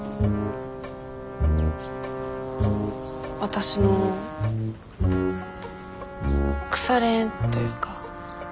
わたしの腐れ縁というか。